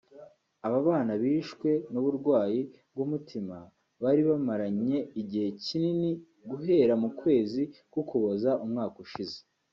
Aba bana bishwe n’uburwayi bw’umutima bari bamaranye igihe kinini guhera mu kwezi k’Ukuboza umwaka ushize